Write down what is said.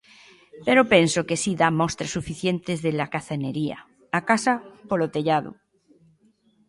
Pero penso que si dá mostras suficientes de lacazanería: a casa polo tellado.